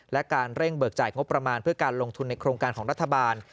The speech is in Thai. และการเร่งเบิกจ่ายงบประมาณเพื่อการลงทุนในโครงการของรัฐบาล